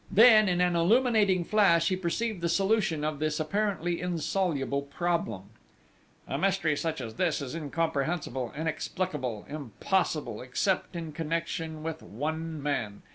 Then, in an illuminating flash, he perceived the solution of this apparently insoluble problem: "A mystery such as this is incomprehensible, inexplicable, impossible, except in connection with one man!